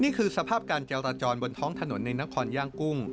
นี่คือสภาพการจราจรบนท้องถนนในนครย่างกุ้ง